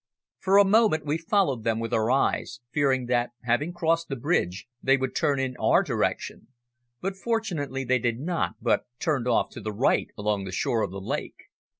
For a moment we followed them with our eyes, fearing that, having crossed the bridge, they would turn in our direction, but fortunately they did not, but turned off to the right along the shore of the lake.